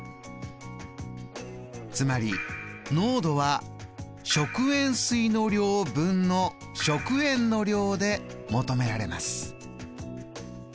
つまり濃度は「食塩水の量」分の「食塩の量」で求められます。